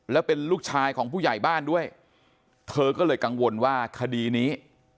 แล้วเป็นลูกชายของผู้ใหญ่บ้านด้วยเธอก็เลยกังวลว่าคดีนี้